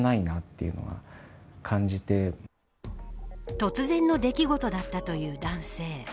突然の出来事だったという男性。